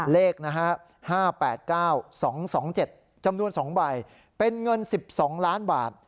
เลขนะฮะ๕๘๙๒๒๗จำนวน๒ใบเป็นเงิน๑๒ล้านบาท